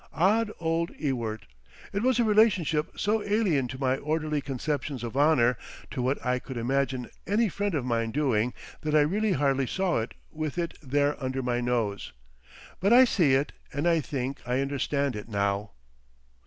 Odd old Ewart! It was a relationship so alien to my orderly conceptions of honour, to what I could imagine any friend of mine doing, that I really hardly saw it with it there under my nose. But I see it and I think I understand it now....